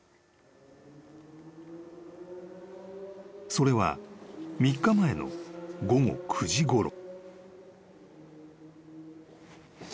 ［それは３日前の午後９時ごろ］